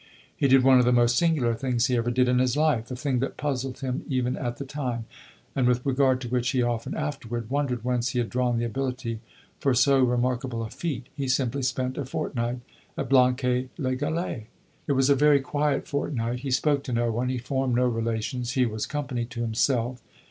He did one of the most singular things he ever did in his life a thing that puzzled him even at the time, and with regard to which he often afterward wondered whence he had drawn the ability for so remarkable a feat he simply spent a fortnight at Blanquais les Galets. It was a very quiet fortnight; he spoke to no one, he formed no relations, he was company to himself.